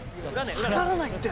分からないって。